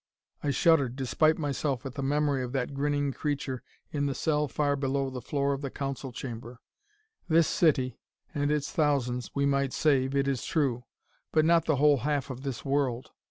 I shuddered, despite myself, at the memory of that grinning creature in the cell far below the floor of the council chamber. "This city, and its thousands, we might save, it is true but not the whole half of this world.